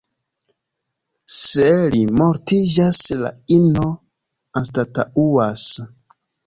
Se li mortiĝas, la ino anstataŭas.